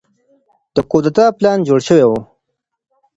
د کودتا پلان جوړ شوی و.